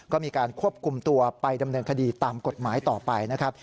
ก็มีการควบคุมตัวไปดำเนินคดีตามกฎหมายต่อไปนะครับ